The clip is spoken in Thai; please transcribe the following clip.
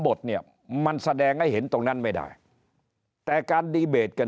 บทเนี่ยมันแสดงให้เห็นตรงนั้นไม่ได้แต่การดีเบตกัน